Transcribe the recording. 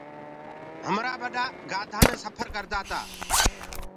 همرآ ٻڏآ گاڌآ مي سڦر ڪردآ تا۔